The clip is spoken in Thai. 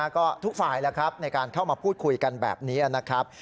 ก็ทุกฝ่ายแล้วครับในการเข้ามาพูดคุยกันแบบนี้นะครับ